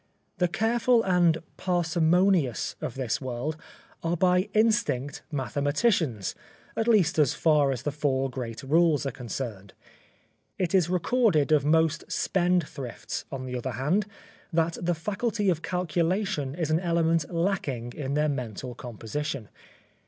The careful and parsimonious of this world are by instinct mathematicians, at least as far as the four great rules are concerned. It is recorded of most spendthrifts, on the other hand, that the faculty of calculation is an element lacking in their mental composition.